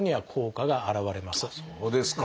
そうですか。